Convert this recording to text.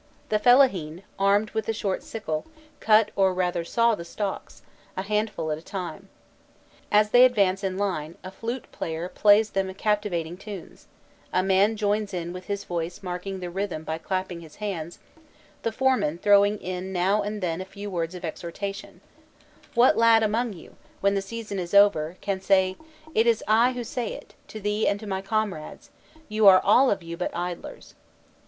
The fellahîn, armed with a short sickle, cut or rather saw the stalks, a handful at a time. As they advance in line, a flute player plays them captivating tunes, a man joins in with his voice marking the rhythm by clapping his hands, the foreman throwing in now and then a few words of exhortation: "What lad among you, when the season is over, can say: 'It is I who say it, to thee and to my comrades, you are all of you but idlers!